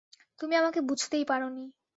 তুমি আমাকে বুঝতেই পারোনি।